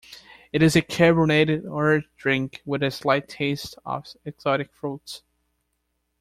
It is a carbonated orange drink, with a slight taste of exotic fruits.